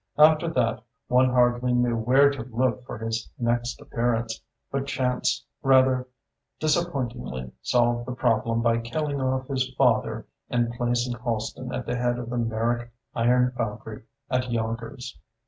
After that one hardly knew where to look for his next appearance; but chance rather disappointingly solved the problem by killing off his father and placing Halston at the head of the Merrick Iron Foundry at Yonkers.